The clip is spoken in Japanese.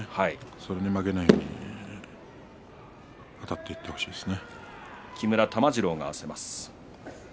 それに負けないようにあたっていってほしいですね。